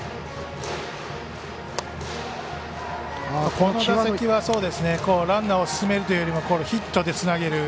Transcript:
この打席はランナーを進めるというよりもヒットでつなげる。